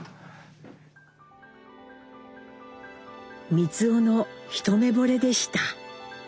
光男の一目ぼれでした。